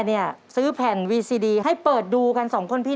เห็นแล้วนี่ไงบอกแล้ว